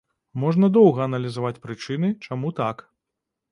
Можна доўга аналізаваць прычыны, чаму так.